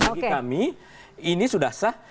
bagi kami ini sudah sah